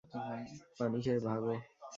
পানি খেয়ে ভাগো।